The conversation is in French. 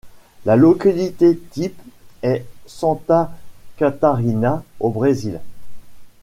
La localité type est Santa Catarina au Brésil.